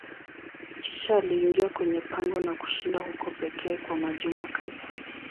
Kisha aliingia kwenye pango na kushinda huko pekee kwa majuma kadhaa.